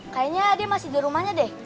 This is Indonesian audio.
kayaknya dia masih di rumahnya deh